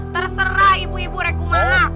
terserah ibu ibu regu mana